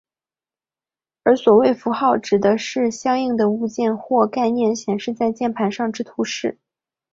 而所谓符号指的是相应的物件或概念显示在键盘上之图示。